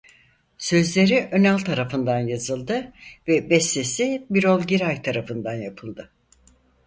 Sözleri Önal tarafından yazıldı ve bestesi Birol Giray tarafından yapıldı.